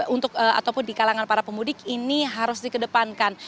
untuk ataupun di kalangan para pemudik ini harus dikedepankan